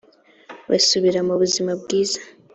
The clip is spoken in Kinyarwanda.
basubire mu buzima bwiza